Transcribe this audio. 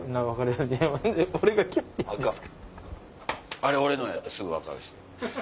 あれ俺のや！ってすぐ分かるし。